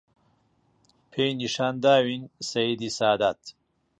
پێی نیشان داوین سەییدی سادات